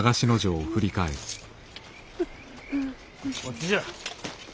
こっちじゃ。